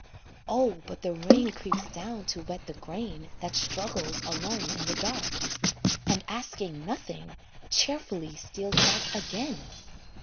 Oh but the rain creeps down to wet the grain That struggles alone in the dark, And asking nothing, cheerfully steals back again!